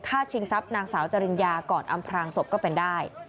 ชิงทรัพย์นางสาวจริญญาก่อนอำพลางศพก็เป็นได้